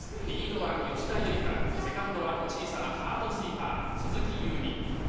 リードは吉田夕梨花セカンドは小さなハードスイーパー鈴木夕湖。